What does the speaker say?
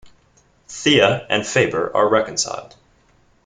Thea and Faber are reconciled.